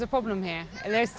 dan masih ada masalah di sini